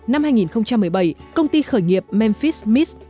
năm hai nghìn một mươi bảy công ty khởi nghiệp memphis mist